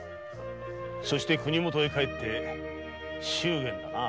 そして国元へ帰って祝言だな。